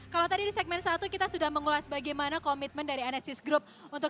kalau tadi di segmen satu kita sudah mengulas bagaimana komitmen kita untuk memiliki kompetensi yang sangat penting